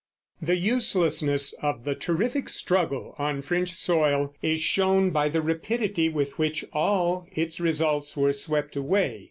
The uselessness of the terrific struggle on French soil is shown by the rapidity with which all its results were swept away.